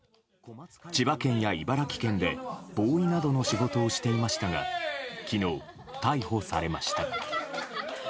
千葉県や茨城県で、ボーイなどの仕事をしていましたが昨日、逮捕されました。